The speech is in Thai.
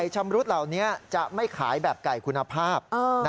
ชำรุดเหล่านี้จะไม่ขายแบบไก่คุณภาพ